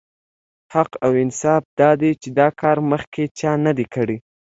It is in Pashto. حق او انصاف دا دی چې دا کار مخکې چا نه دی کړی.